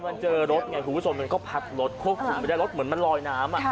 พอมันเจอรถหูศนมันก็พัดรถพวกมันได้รถเหมือนมันลอยน้ำ